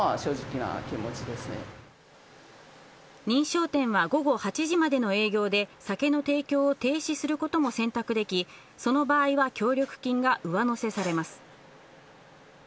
認証店は午後８時までの営業で酒の提供を停止することも選択でき、その場合は協力金が上乗せされます。